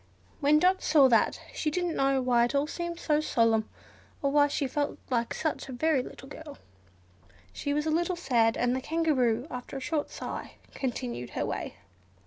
When Dot saw that, she didn't know why it all seemed solemn, or why she felt such a very little girl. She was a little sad, and the Kangaroo, after a short sigh, continued her way.